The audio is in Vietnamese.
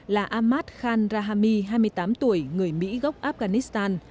là amad khan rahami hai mươi tám tuổi người mỹ gốc afghanistan